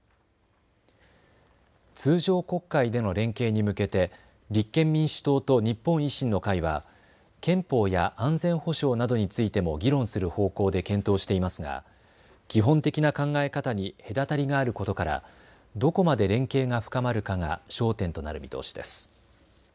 通常国会での連携に向けて立憲民主党と日本維新の会は憲法や安全保障などについても議論する方向で検討していますが基本的な考え方に隔たりがあることから、どこまで連携が深まるかが焦点となる見通しです。